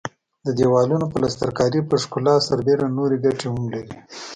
د دېوالونو پلستر کاري پر ښکلا سربېره نورې ګټې هم لري.